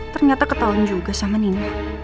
ternyata ketahuan juga sama nina